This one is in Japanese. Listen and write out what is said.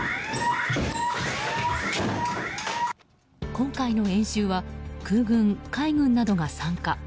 今回の演習は空軍、海軍などが参加。